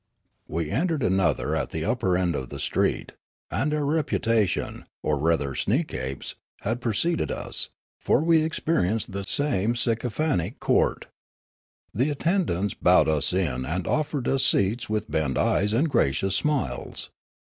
We entered another at the upper end of the street ; and our reputation, or rather Sneekape' s, had preceded us ; for we experienced the same sycophantic court. Foolgar 219 The attendants bowed us in and offered us seats with bent eyes and gracious smiles.